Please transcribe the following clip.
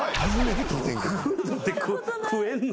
ドッグフードって食えんの？